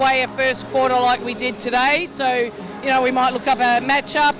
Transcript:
dan kami akan memiliki lebih banyak tim untuk melawan satu sama lain